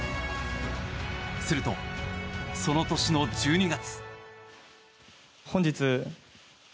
すると、その年の１２月。